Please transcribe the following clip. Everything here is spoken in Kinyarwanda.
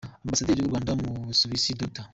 Ambasaderi w’u Rwanda mu Busuwisi, Dr.